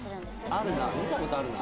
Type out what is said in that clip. あるな見たことあるな